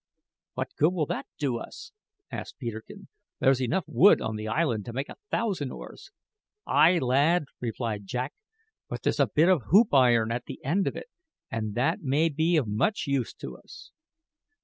"What good will that do us?" said Peterkin. "There's wood enough on the island to make a thousand oars." "Ay, lad," replied Jack; "but there's a bit of hoop iron at the end of it, and that may be of much use to us."